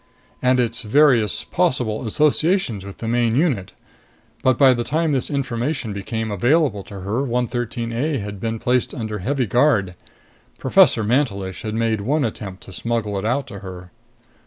and its various possible associations with the main unit. But by the time this information became available to her, 113 A had been placed under heavy guard. Professor Mantelish had made one attempt to smuggle it out to her.